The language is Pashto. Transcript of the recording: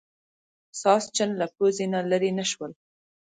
ساسچن له پوزې نه لرې نه شول.